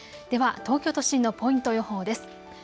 では東京都心のポイント予報です。